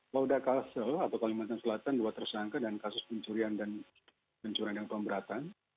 polda kalsel atau kalimantan selatan dua tersangka dan kasus pencurian dan pencurian dan pemberatan